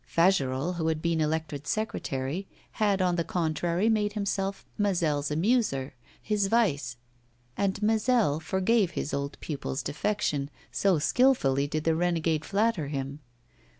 Fagerolles, who had been elected secretary, had, on the contrary, made himself Mazel's amuser, his vice, and Mazel forgave his old pupil's defection, so skilfully did the renegade flatter him.